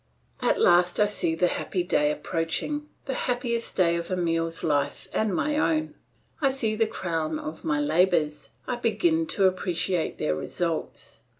At last I see the happy day approaching, the happiest day of Emile's life and my own; I see the crown of my labours, I begin to appreciate their results.